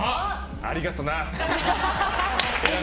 ありがとな！